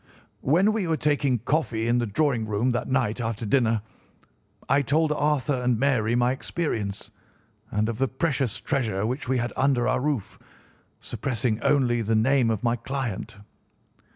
"When we were taking coffee in the drawing room that night after dinner, I told Arthur and Mary my experience, and of the precious treasure which we had under our roof, suppressing only the name of my client.